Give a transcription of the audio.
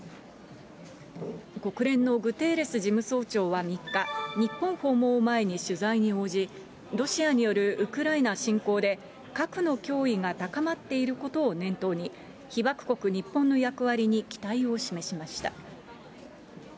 国連のグテーレス事務総長は３日、日本訪問を前に取材に応じ、ロシアによるウクライナ侵攻で核の脅威が高まっていることを念頭に、被爆国日本の役割に期待を示しました。